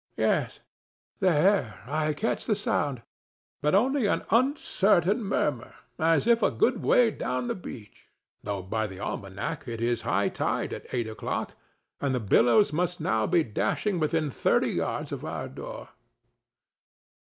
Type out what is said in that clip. Yes; there I catch the sound, but only an uncertain murmur, as if a good way down over the beach, though by the almanac it is high tide at eight o'clock, and the billows must now be dashing within thirty yards of our door.